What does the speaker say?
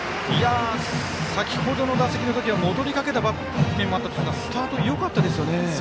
先ほどの打席のときは戻りかけた場面もありましたがスタートよかったですよね。